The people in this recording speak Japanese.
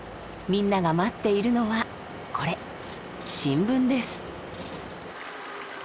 みんなが待っているのはこれ新聞です。